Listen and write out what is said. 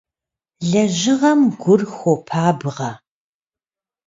Лэжьыгъэм гур хуопабгъэ.